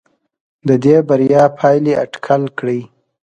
د دې بریا پایلې اټکل کړي.